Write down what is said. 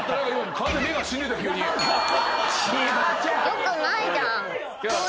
よくないじゃん。